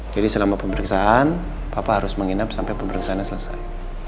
jadi selama pemeriksaan papa harus menginap sampai pemeriksaannya selesai